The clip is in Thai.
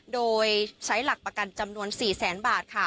โดยใช้หลักประกันจำนวน๔แสนบาทค่ะ